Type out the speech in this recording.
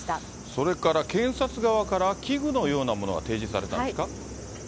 それから検察側から器具のようなものが提示されたんですか。